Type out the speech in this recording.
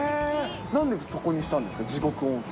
なんでそこにしたんですか、地獄温泉。